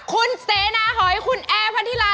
คุณเสนาหอยคุณแอร์พันธิลา